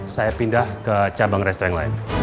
saya pindah ke cabang restoran lain